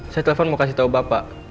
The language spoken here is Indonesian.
saya telepon mau kasih tahu bapak